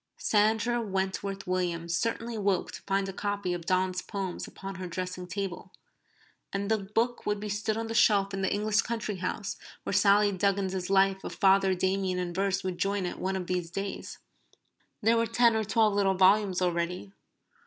Sandra Wentworth Williams certainly woke to find a copy of Donne's poems upon her dressing table. And the book would be stood on the shelf in the English country house where Sally Duggan's Life of Father Damien in verse would join it one of these days. There were ten or twelve little volumes already.